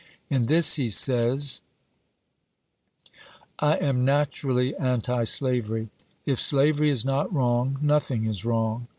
In this he says : I am naturally antislavery. If slavery is not wrong, nothing is wi'ong.